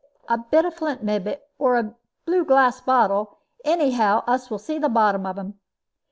A bit of flint, mebbe, or of blue glass bottle. Anyhow, us will see the bottom of un."